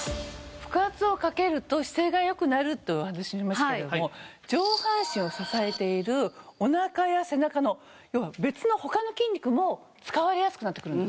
腹圧をかけると姿勢が良くなるとお話ししましたけども上半身を支えているおなかや背中の要は別の他の筋肉も使われやすくなってくるんですよね。